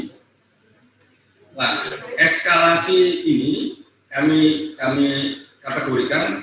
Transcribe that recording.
nah eskalasi ini kami kategorikan